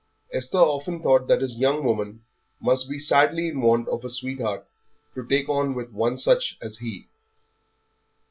Esther often thought that his young woman must be sadly in want of a sweetheart to take on with one such as he.